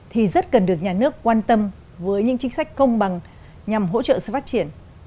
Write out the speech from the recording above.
thì rất cần được nhà nước quan tâm với những chính sách công bằng nhằm hỗ trợ sự phát triển